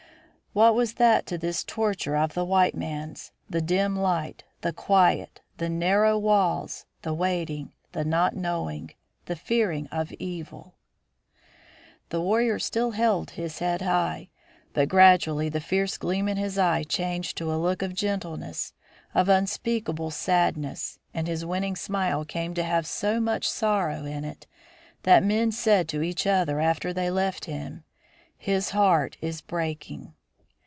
What was that to this torture of the white man's, the dim light, the quiet, the narrow walls, the waiting, the not knowing, the fearing of evil? The warrior still held his head high, but gradually the fierce gleam in his eye changed to a look of gentleness, of unspeakable sadness, and his winning smile came to have so much sorrow in it that men said to each other after they left him, "His heart is breaking."